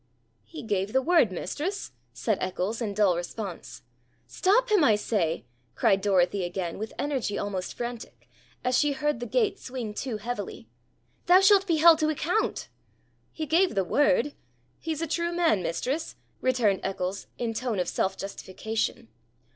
'He gave the word, mistress,' said Eccles, in dull response. 'Stop him, I say,' cried Dorothy again, with energy almost frantic, as she heard the gate swing to heavily. 'Thou shalt be held to account.' 'He gave the word.' 'He's a true man, mistress,' returned Eccles, in tone of self justification.